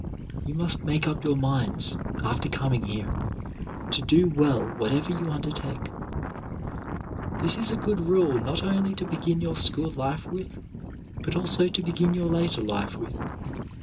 You must make up your minds, after coming here, to do well whatever you undertake. This is a good rule not only to begin your school life with, but also to begin your later life with.